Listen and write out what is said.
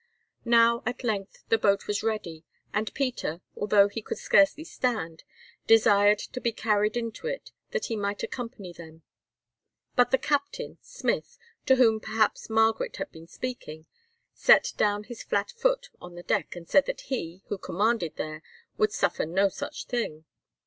Now, at length the boat was ready, and Peter, although he could scarcely stand, desired to be carried into it that he might accompany them. But the captain, Smith, to whom perhaps Margaret had been speaking, set down his flat foot on the deck and said that he, who commanded there, would suffer no such thing.